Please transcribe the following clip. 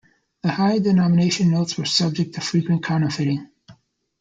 The higher-denomination notes were subject to frequent counterfeiting.